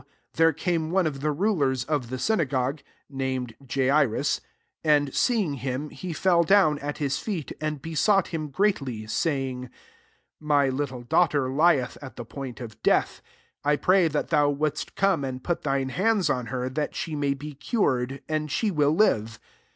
81 there came oQe of the rulers of the synagogue, [named Jairus;] and seeing hiniy he fell down at his feet, ^ and besought him greatly, saying, « My little daughter lieth at the point of 4i:ath : Ifiray that thou wouldst come and put thine ttJrids on her, that she may be cured, and she will live."